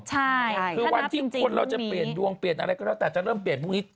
ใช่คือวันที่คนเราจะเปลี่ยนดวงเปลี่ยนอะไรก็แล้วแต่จะเริ่มเปลี่ยนพรุ่งนี้